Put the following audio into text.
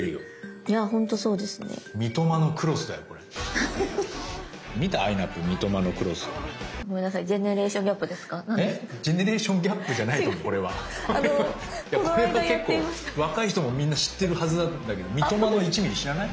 いやこれは結構若い人もみんな知ってるはずなんだけど三苫の１ミリ知らない？